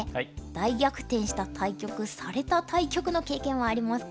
大逆転した対局された対局の経験はありますか？